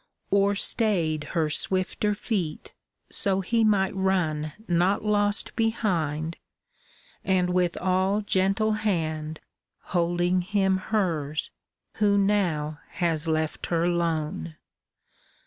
Or stayed her swifter feet so he might run Not lost behind, and with all gentle hand Holding him hers, who now has left her lone.